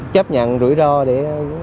chấp nhận rủi ro để